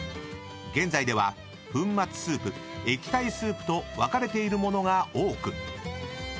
［現在では粉末スープ液体スープと分かれている物が多く］